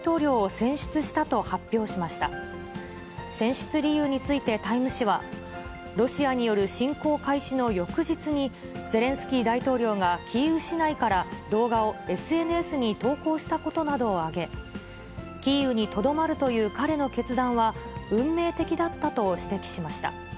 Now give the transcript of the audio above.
選出理由について、タイム誌は、ロシアによる侵攻開始の翌日にゼレンスキー大統領がキーウ市内から動画をＳＮＳに投稿したことなどを挙げ、キーウにとどまるという彼の決断は、運命的だったと指摘しました。